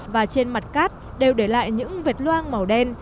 và trên mặt cát đều để lại những vệt loang màu đen